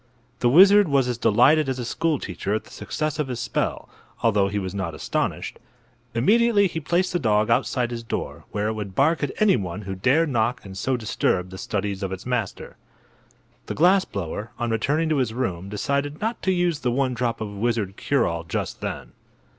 The wizard was as delighted as a school teacher at the success of his spell, although he was not astonished. Immediately he placed the dog outside his door, where it would bark at anyone who dared knock and so disturb the studies of its master. The glass blower, on returning to his room, decided not to use the one drop of wizard cure all just then.